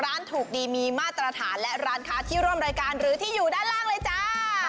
ร้านถูกดีมีมาตรฐานและร้านค้าที่ร่วมรายการหรือที่อยู่ด้านล่างเลยจ้า